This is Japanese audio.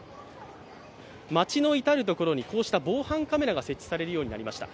街の至るところにこうした防犯カメラが設置されるようになりました。